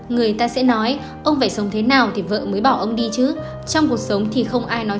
người ta sẽ nói ông phải sống thế nào thì vợ mới bỏ ông đi chứ trong cuộc sống thì không ai nói